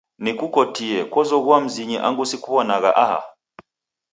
Nikukotie kozoghua mzinyi angu sikuwonagha aha